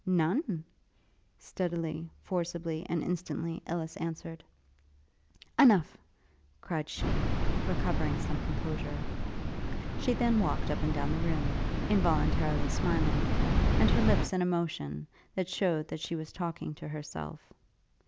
'None!' steadily, forcibly, and instantly Ellis answered. 'Enough!' cried she, recovering some composure. She then walked up and down the room, involuntarily smiling, and her lips in a motion, that shewed that she was talking to herself.